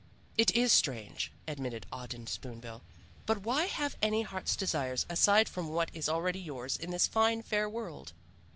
"'It is strange,' admitted Auden Spoon bill. 'But why have any heart's desires aside from what is already yours in this fine, fair world?